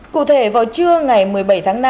cụ thể vào trưa ngày một mươi bảy tháng năm